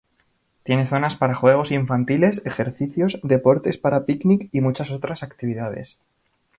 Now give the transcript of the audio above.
Tiene zonas para juegos infantiles, ejercicios, deportes, para picnic y muchas otras actividades.